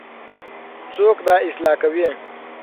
څوک دا اصلاح کوي؟